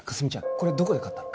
これどこで買ったの？